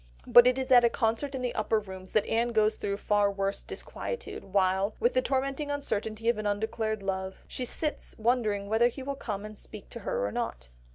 But it is at a concert in the Upper Rooms that Anne goes through far worse disquietude, while, with the tormenting uncertainty of an undeclared love, she sits wondering whether he will come to speak to her or not.